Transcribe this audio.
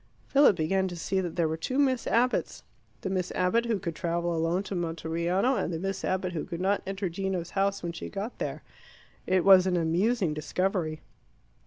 Philip began to see that there were two Miss Abbotts the Miss Abbott who could travel alone to Monteriano, and the Miss Abbott who could not enter Gino's house when she got there. It was an amusing discovery.